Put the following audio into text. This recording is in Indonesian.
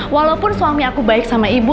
walaupun suami aku baik sama ibu